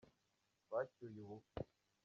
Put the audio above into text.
bacyuye ubukwe.